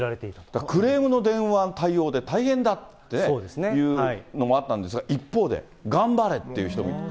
だからクレームの電話の対応で大変だっていうのもあったんですが、一方で頑張れっていう人もいる。